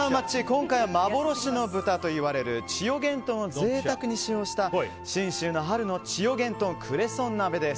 今回は幻の豚といわれる千代幻豚を贅沢に使用した信州の春の千代幻豚クレソン鍋です。